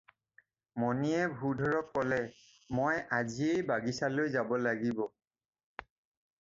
মণিয়ে ভূধৰক ক'লে- "মই আজিয়েই বাগিচালৈ যাব লাগিব।